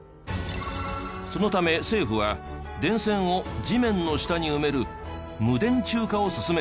そのため政府は電線を地面の下に埋める無電柱化を進めていて。